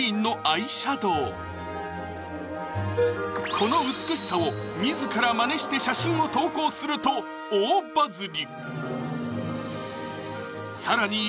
この美しさを自らマネして写真を投稿すると大バズり！